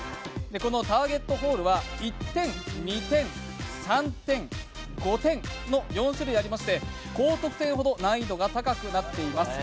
このターゲットホールは１点、２点、３点、５点の４種類ありまして、高得点ほど難易度が高くなっています。